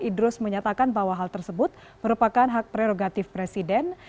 idrus menyatakan bahwa hal tersebut merupakan hak prerogatif presiden